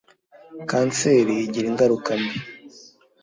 kanseri igira ingaruka mbi